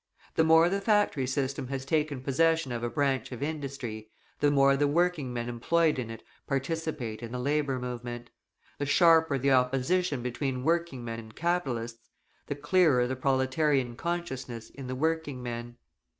The more the factory system has taken possession of a branch of industry, the more the working men employed in it participate in the labour movement; the sharper the opposition between working men and capitalists, the clearer the proletarian consciousness in the working men.